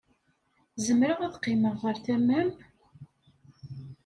Zemreɣ ad qqimeɣ ɣer tama-m?